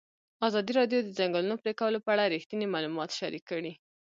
ازادي راډیو د د ځنګلونو پرېکول په اړه رښتیني معلومات شریک کړي.